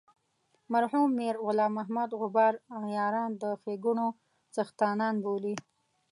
مرحوم میر غلام محمد غبار عیاران د ښیګڼو څښتنان بولي.